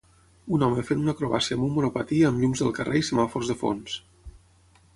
Un home fent una acrobàcia amb un monopatí amb llums del carrer i semàfors de fons.